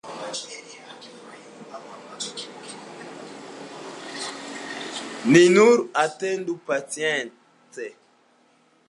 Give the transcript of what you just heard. Ni nur atendu pacience!